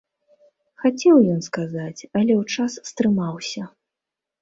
Хацеў ён сказаць, але ў час стрымаўся.